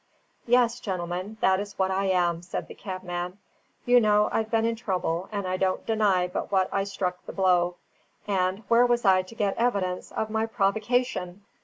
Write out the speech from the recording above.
"Yes, gentlemen, that is what I am," said the cabman. "You know I've been in trouble; and I don't deny but what I struck the blow, and where was I to get evidence of my provocation?